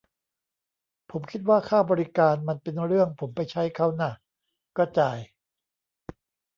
ผมคิดว่าค่าบริการมันเป็นเรื่องผมไปใช้เค้าน่ะ ก็จ่าย